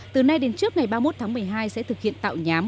từ nay đến trước ngày ba mươi một tháng một mươi hai sẽ thực hiện tạo nhám